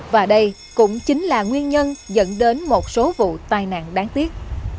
và đây cũng chính là nguyên nhân dẫn đến một số vụ tai nạn đáng tiếc